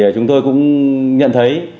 chúng tôi cũng nhận thấy